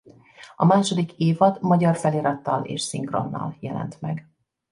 A második évad magyar felirattal és szinkronnal jelent meg.